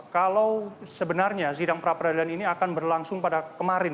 kalau sebenarnya sidang pra peradilan ini akan berlangsung pada kemarin